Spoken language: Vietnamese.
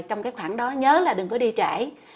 trong cái khoảng đó nhớ là đừng có đi trải